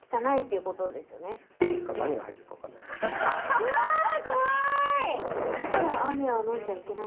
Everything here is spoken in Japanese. うわ怖い！